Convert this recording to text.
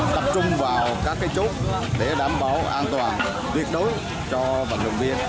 tập trung vào các chốt để đảm bảo an toàn tuyệt đối cho vận động viên